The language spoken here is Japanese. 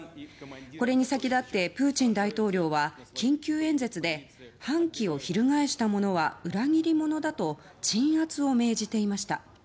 これに先立ってプーチン大統領は緊急演説で反旗を翻した者は裏切り者だと鎮圧を命じていました。